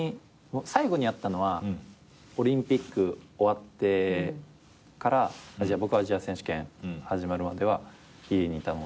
最後に会ったのはオリンピック終わってから僕アジア選手権始まるまでは家にいたので。